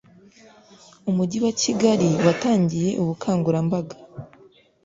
Umujyi wa Kigali watangiye ubukangurambaga